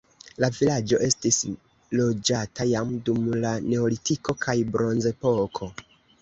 La vilaĝo estis loĝata jam dum la neolitiko kaj bronzepoko.